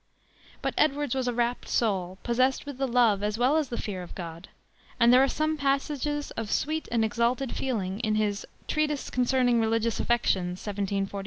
But Edwards was a rapt soul, possessed with the love as well as the fear of the God, and there are passages of sweet and exalted feeling in his Treatise Concerning Religious Affections, 1746.